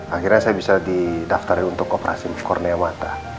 akhirnya saya bisa didaftarin untuk operasi kornea mata